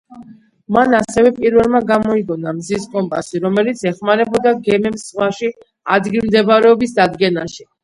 მან ასევე პირველმა გამოიგონა მზის კომპასი, რომელიც ეხმარებოდა გემებს ზღვაში ადგილმდებარეობის დადგენაში.